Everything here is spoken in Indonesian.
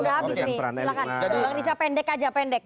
silahkan bang nisa pendek aja